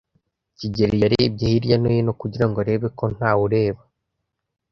kigeli yarebye hirya no hino kugira ngo arebe ko ntawe ureba.